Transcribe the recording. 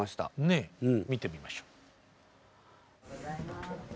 ねっ見てみましょう。